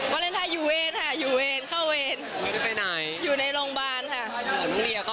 วาเลนไทยอยู่เวรค่ะอยู่เวรเข้าเวร